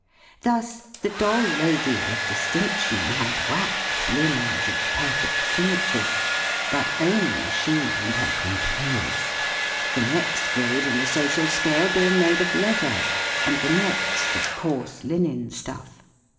Thus, the Doll lady of Distinction had wax limbs of perfect symmetry; but only she and her compeers; the next grade in the social scale being made of leather; and the next of coarse linen stuff.